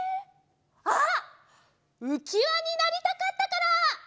あっうきわになりたかったから！